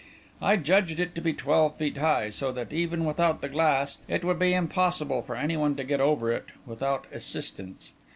I judged it to be twelve feet high, so that, even without the glass, it would be impossible for anyone to get over it without assistance.